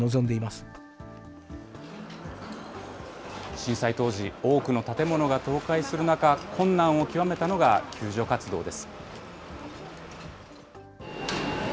震災当時、多くの建物が倒壊する中、困難を極めたのが救助活動です。